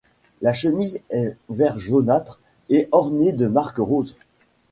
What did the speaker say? La chenille est vert jaunâtre et ornée de marques roses.